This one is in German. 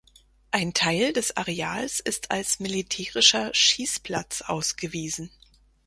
Ein Teil des Areals ist als militärischer Schießplatz ausgewiesen.